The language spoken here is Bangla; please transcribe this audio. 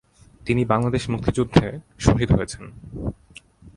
তিনি বাংলাদেশ মুক্তিযুদ্ধে শহীদ হয়েছেন।